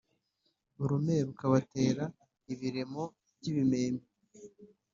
urume rukabatera ibiremo by’ibimeme